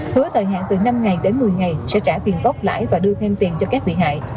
hứa thời hạn từ năm ngày đến một mươi ngày sẽ trả tiền góp lại và đưa thêm tiền cho các bị hại